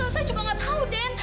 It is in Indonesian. saya juga gak tau den